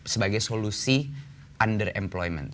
sebagai solusi underemployment